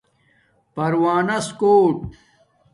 پروانس کݸٹ